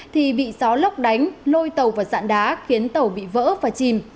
thì bị gió lóc đánh lôi tàu vào dạn đá khiến tàu bị vỡ và chìm